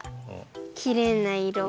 きれいないろ。